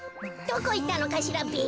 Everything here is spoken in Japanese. どこいったのかしらべ。